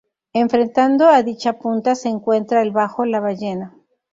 Enfrentando a dicha punta se encuentra el bajo La Ballena.